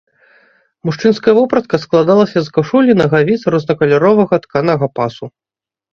Мужчынская вопратка складалася з кашулі, нагавіц, рознакаляровага тканага пасу.